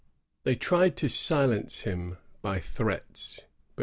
They tried to silence him by threats, but without 1663.